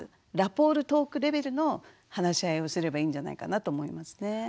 ラポールトークレベルの話し合いをすればいいんじゃないかなと思いますね。